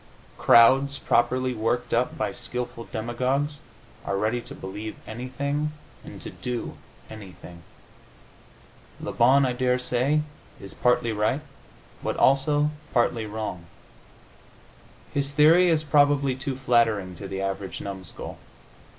Crowds, properly worked up by skilful demagogues, are ready to believe anything, and to do anything. Le Bon, I daresay, is partly right, but also partly wrong. His theory is probably too flattering to the average numskull.